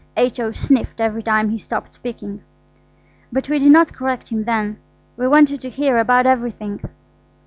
H.O. sniffed every time he stopped speaking. But we did not correct him then. We wanted to hear about everything.